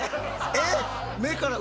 えっ？